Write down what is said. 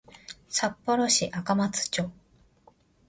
札幌市赤松町